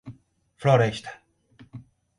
Floresta